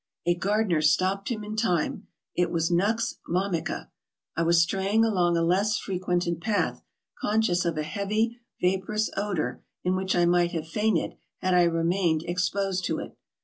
A gardener stopped him in time. It was nux vomica. I was straying along a less frequented path, conscious of a heavy vaporous odor, in which I might have fainted had I remained exposed to it.